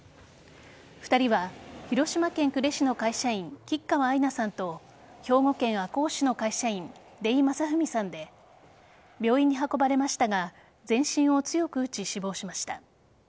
２人は、広島県呉市の会社員吉川愛菜さんと兵庫県赤穂市の会社員出井理史さんで病院に運ばれましたが全身を強く打ち死亡しました。